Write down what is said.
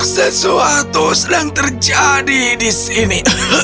sesuatu sedang terjadi di sini